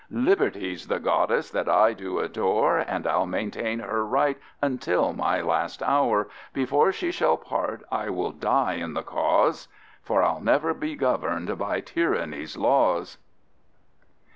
LIBERTY'S The Goddess that I do adore, And I'll maintain her right until my last hour, Before she shall part I will die in the cause, For I'll never be govern'd by tyranny's laws.